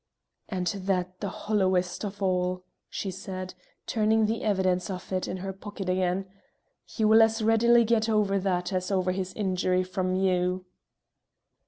"And that the hollowest of all," she said, turning the evidence of it in her pocket again. "He will as readily get over that as over his injury from you."